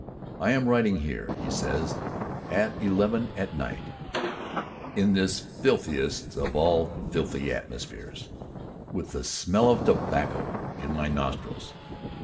"I am writing here," he says, "at eleven at night, in this filthiest of all filthy atmospheres ... with the smell of tobacco in my nostrils....